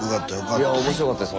いや面白かったです